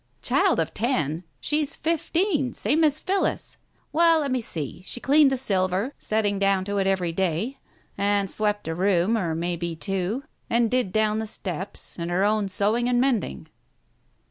"Child of ten— she's fifteen, same as Phillis! Well, let me see, she cleaned the silver, setting down to it every Digitized by Google THE TIGER SKIN 307 day, and swept a room, or may be two, and did down the steps, and her own sewing and mending."